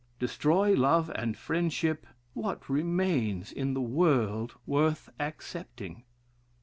Destroy love and friendship, what remains in the world worth accepting?"